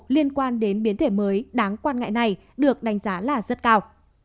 liên quan đến biến thể mới đáng quan ngại này được đánh giá là rất cao